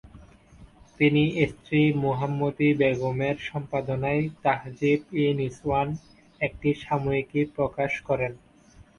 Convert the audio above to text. তিনি স্ত্রী মুহাম্মদি বেগমের সম্পাদনায় তাহজিব-ই-নিসওয়ান একটি সাময়িকী প্রকাশ করেন।